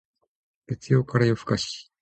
月曜から夜更かし